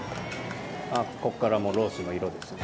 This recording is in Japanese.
ここからもうロースの色ですね。